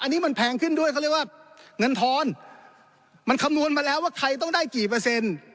อันนี้มันแพงขึ้นด้วยเขาเรียกว่าเงินทอนมันคำนวณมาแล้วว่าใครต้องได้กี่เปอร์เซ็นต์